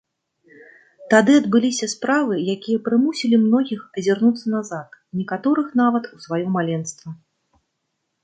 Тады адбыліся справы, якія прымусілі многіх азірнуцца назад, некаторых нават у сваё маленства.